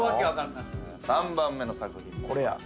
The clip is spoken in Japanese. ３番目の作品。